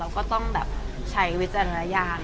ก็ต้องแบบใช้วิจารณญาณ